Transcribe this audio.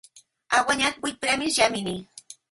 Ha guanyat vuit premis Gemini.